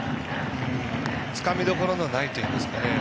つかみどころのないというんですかね。